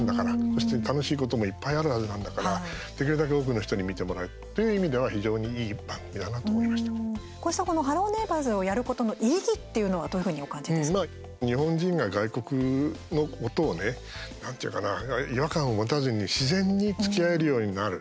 そして楽しいことも、いっぱいあるはずなんだから、できるだけ多くの人に見てもらうという意味では、非常にいい番組だなこうした、この「ハロー！ネイバーズ」をやることの意義っていうのは日本人が外国のことをねなんていうか違和感を持たずに自然に、つきあえるようになる。